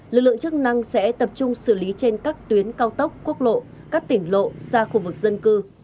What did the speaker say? lực lượng chức năng sẽ tập trung xử lý trên các tuyến cao tốc quốc lộ các tỉnh lộ xa khu vực dân cư